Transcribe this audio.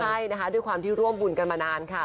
ใช่นะคะด้วยความที่ร่วมบุญกันมานานค่ะ